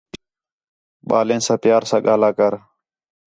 ٻالیں ساں پیار ساں ڳاھلا کر